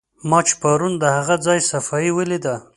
ما چې پرون د هغه ځای صفایي ولیده.